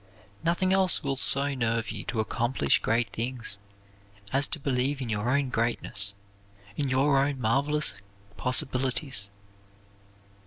Nothing else will so nerve you to accomplish great things as to believe in your own greatness, in your own marvelous possibilities.